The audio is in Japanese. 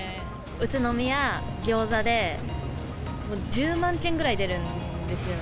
宇都宮、ギョーザで１０万件ぐらい出るんですよ。